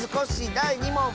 だい２もん！